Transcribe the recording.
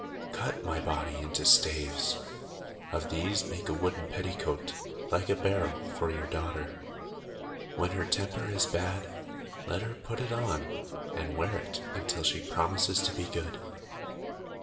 Cut my body into staves. Of these make a wooden petticoat, like a barrel, for your daughter. When her temper is bad, let her put it on and wear it until she promises to be good."